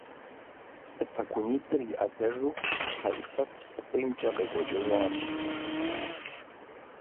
Псы пэгунитӏыр и ӏэдэжу Хьэӏишэт псыкъуиймкӏэ къекӏуэкӏыжащ.